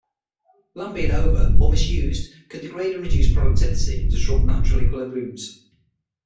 Land being over- or misused can degrade and reduce productivity and dissrupt natural equilibriums.